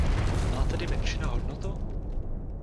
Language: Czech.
Má tedy menšina hodnotu?